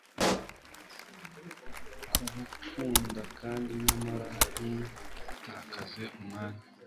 Kubukunda kandi nyamara ntutakaze umwanya